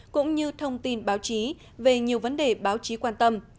cũng như thông tin báo chí về nhiều vấn đề báo chí quan tâm